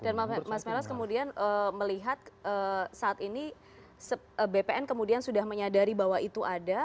dan mas melas kemudian melihat saat ini bpn kemudian sudah menyadari bahwa itu ada